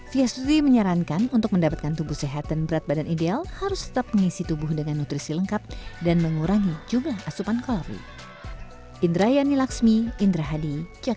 fia suti menyarankan untuk mendapatkan tubuh sehat dan berat badan ideal harus tetap mengisi tubuh dengan nutrisi lengkap dan mengurangi jumlah asupan kalori